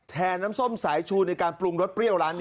น้ำส้มสายชูในการปรุงรสเปรี้ยวร้านนี้